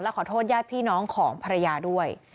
ขอโทษญาติพี่น้องของภรรยาด้วย